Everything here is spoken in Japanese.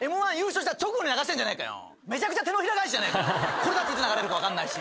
これだっていつ流れるか分かんないし。